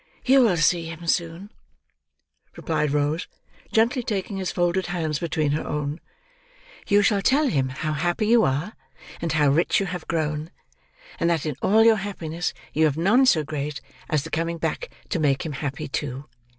"You will see him soon," replied Rose, gently taking his folded hands between her own. "You shall tell him how happy you are, and how rich you have grown, and that in all your happiness you have none so great as the coming back to make him happy too."